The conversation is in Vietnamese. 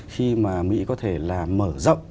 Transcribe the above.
khi mà mỹ có thể là mở rộng